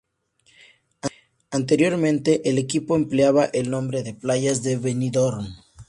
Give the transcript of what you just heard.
Anteriormente el equipo empleaba el nombre Playas de Benidorm.